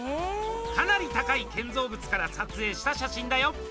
かなり高い建造物から撮影した写真だよ。